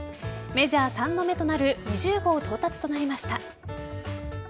メジャー３度目となる２０号到達となりました。